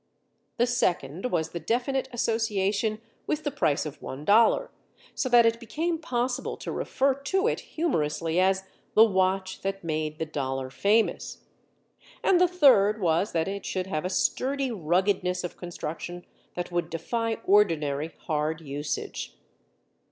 The second was the definite association with the price of one dollar, so that it became possible to refer to it humorously as "the watch that made the dollar famous;" and the third was that it should have a sturdy ruggedness of construction that would defy ordinary hard usage.